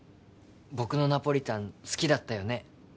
僕のナポリタン好きだったよね